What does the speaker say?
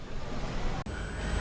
dan menghukum hakim pemutus perkara partai